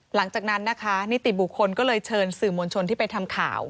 หลังจากนั้นนะคะนิติบุคคลก็เลยเชิญสื่อมวลชนที่ไปทำข่าว